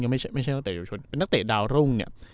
ยังไม่ใช่ไม่ใช่นักเตะยาวชนเป็นนักเตะดาวรุ่งเนี่ย